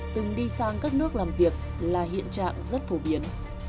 từng đi sang các nước làm việc là hiện trạng rất phổ biến